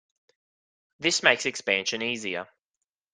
This makes expansion easier.